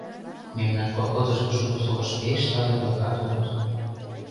Мемнан колхозышто шудо солаш пеш тале-влакат улыт...